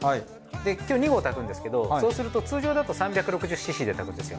で今日２合炊くんですけどそうすると通常だと３６０ｃｃで炊くんですよ。